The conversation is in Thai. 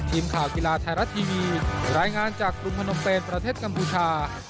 ทีมข่าวกีฬาไทยรัฐทีวีรายงานจากกรุงพนมเปญประเทศกัมพูชา